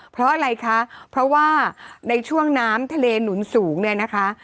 เพราะอะไรคะเพราะว่าในช่วงน้ำทะเลหนุนสูงเนี่ยนะคะ